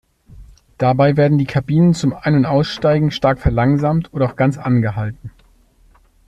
Dabei werden die Kabinen zum Ein- und Aussteigen stark verlangsamt oder auch ganz angehalten.